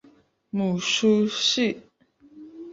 母舒氏。